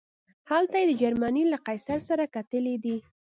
هلته یې د جرمني له قیصر سره کتلي دي.